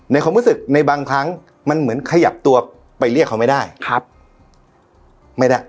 ความรู้สึกในบางครั้งมันเหมือนขยับตัวไปเรียกเขาไม่ได้ครับไม่ได้